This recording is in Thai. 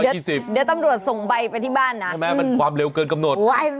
เดี๋ยวตำรวจส่งไปที่บ้านแม่มันความเร็วกว่ากำหนด